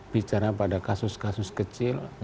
bicara pada kasus kasus kecil